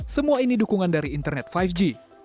semua ini dukungan dari internet lima g